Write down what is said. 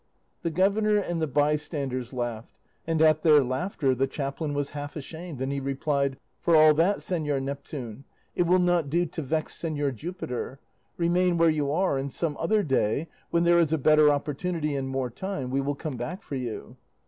"The governor and the bystanders laughed, and at their laughter the chaplain was half ashamed, and he replied, 'For all that, Señor Neptune, it will not do to vex Señor Jupiter; remain where you are, and some other day, when there is a better opportunity and more time, we will come back for you.